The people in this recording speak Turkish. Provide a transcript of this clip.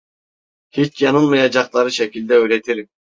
Hiç yanılmayacakları şekilde öğretirim.